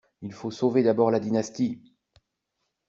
Il faut sauver d'abord la dynastie.